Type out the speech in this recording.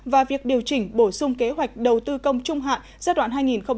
và việc điều chỉnh bổ sung kế hoạch đầu tư công trung hạn giai đoạn hai nghìn một mươi sáu hai nghìn hai mươi